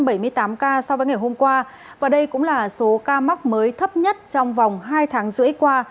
giảm sáu trăm bảy mươi tám ca so với ngày hôm qua và đây cũng là số ca mắc mới thấp nhất trong vòng hai tháng rưỡi qua